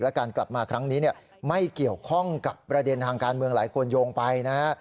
และการกลับมาครั้งนี้ไม่เกี่ยวข้องกับประเด็นทางการเมืองหลายคนโยงไปนะฮะ